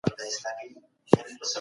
تخلیقي ادب د شننې او تفسیر وړ دئ.